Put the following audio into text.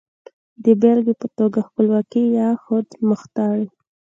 د بېلګې په توګه خپلواکي يا خودمختاري.